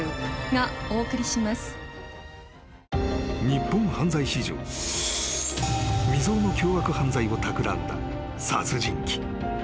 ［日本犯罪史上未曽有の凶悪犯罪をたくらんだ殺人鬼］